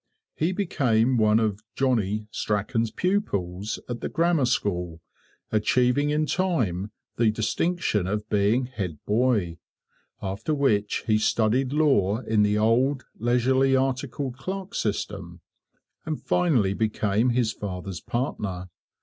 He became one of 'Johnny' Strachan's pupils at the Grammar School, achieving in time the distinction of being 'head boy'; after which he studied law in the old, leisurely, articled clerk system, and finally became his father's partner.